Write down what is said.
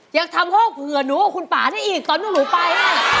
ยังทำห้องเผื่อหนูกับคุณป่าได้อีกตอนที่หนูไป